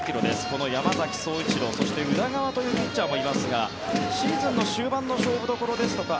この山崎颯一郎そして、宇田川というピッチャーもいますがシーズンの終盤の勝負どころですとか。